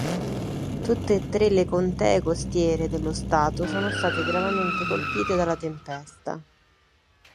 Tutte e tre le contee costiere dello Stato sono state gravemente colpite dalla tempesta.